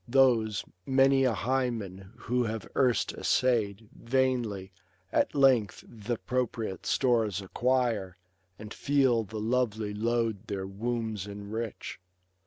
Those, many a Hymen who have erst essay'd , Vainly, at length th* appropriate stores acquire. And feel the lovely load their wombs enrich.